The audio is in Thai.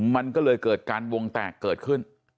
มันก็เลยเกิดการวงแตกเกิดขึ้น